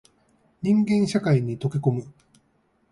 人間社会に溶け込む